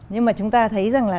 nhưng mà chúng ta thấy rằng là